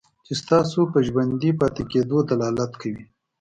چې ستاسو په ژوندي پاتې کېدلو دلالت کوي.